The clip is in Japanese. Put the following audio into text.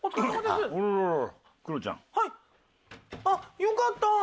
あっよかった。